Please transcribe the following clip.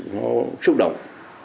nó xúc động